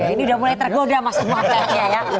ini udah mulai tergoda mas outletnya ya